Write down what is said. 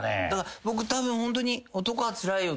僕たぶんホントに。